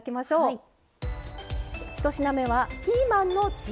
はい。